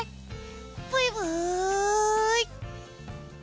ブイブイ！